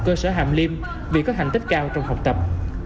cơ sở hàm liêm vì có hành tích cao trong học tập